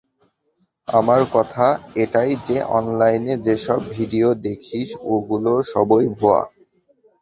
আমার কথা এটাই যে, অনলাইনে যেসব ভিডিও দেখিস, ওগুলোর সবই ভুয়া।